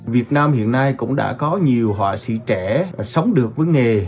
việt nam hiện nay cũng đã có nhiều họa sĩ trẻ sống được với nghề